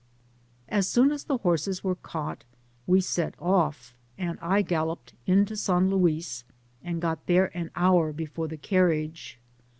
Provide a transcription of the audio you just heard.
As soon as the horses were caught we set off, and I galloped into San Luis, and got there an hour before the carriage.